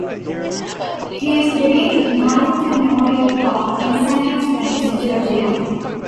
He is buried in Arlington Memorial Park, in Sandy Springs, Georgia.